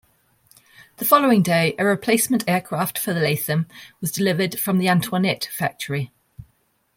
The following day a replacement aircraft for Latham was delivered from the Antoinette factory.